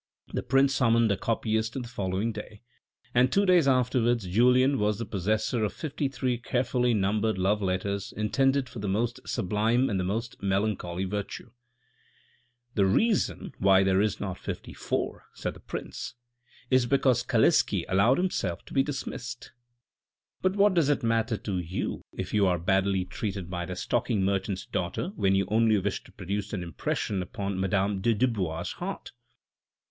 The prince summoned a copyist on the following day, and two days afterwards Julien was the possessor of fifty three carefully numbered love letters intended for the most sublime and the most melancholy virtue. "The reason why there is not fifty four," said the prince " is because Kalisky allowed himself to be dismissed. But what does it matter to you, if you are badly treated by the stocking merchant's daughter since you only wish to produce an impression upon madame de Dubois heart."